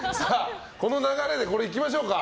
この流れで行きましょうか。